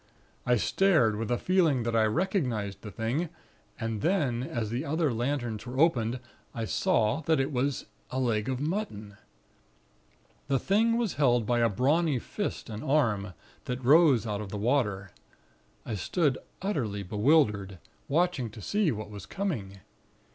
I stared, with a feeling that I recognized the thing; and then, as the other lanterns were opened, I saw that it was a leg of mutton. The thing was held by a brawny fist and arm, that rose out of the water. I stood utterly bewildered, watching to see what was coming.